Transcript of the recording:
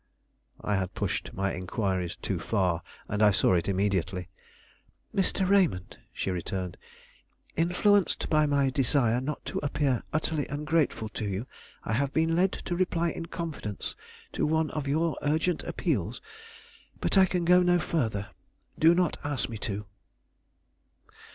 I had pushed my inquiries too far, and I saw it immediately. "Mr. Raymond," she returned, "influenced by my desire not to appear utterly ungrateful to you, I have been led to reply in confidence to one of your urgent appeals; but I can go no further. Do not ask me to."